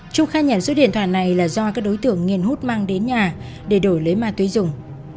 trung khai nhận số điện thoại này là do các đối tượng nghiền hút mang đến nhà để đổi lấy ma túy dùng